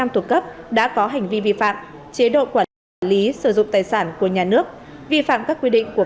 năm thuộc cấp đã có hành vi vi phạm chế độ quản lý sử dụng tài sản của nhà nước vi phạm các quy định của